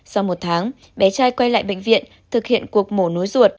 sau một tháng bé trai quay lại bệnh viện thực hiện cuộc mổ nối ruột